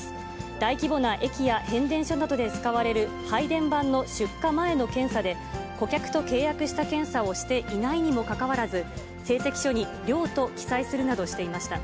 大規模な駅や変電所などで使われる配電盤の出荷前の検査で、顧客と契約した検査をしていないにもかかわらず、成績書に良と記載するなどしていました。